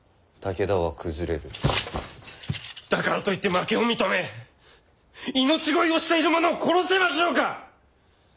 だからといって負けを認め命乞いをしている者を殺せましょうか！